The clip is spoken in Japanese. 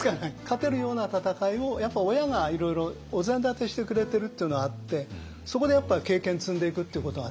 勝てるような戦いを親がいろいろお膳立てしてくれてるっていうのはあってそこでやっぱ経験積んでいくっていうことが大事ですね。